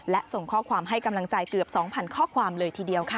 และส่งข้อความให้กำลังใจเกือบ๒๐๐ข้อความเลยทีเดียวค่ะ